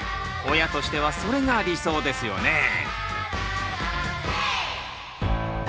親としてはそれが理想ですよね。